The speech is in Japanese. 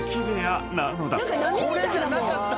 これじゃなかった！